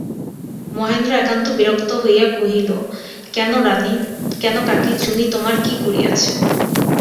মহেন্দ্র একান্ত বিরক্ত হইয়া কহিল, কেন কাকী, চুনি তোমার কী করিয়াছে।